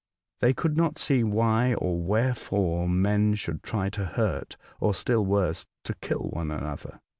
They could not see why or wherefore men should try to hurt, or, still worse, to kill, one another.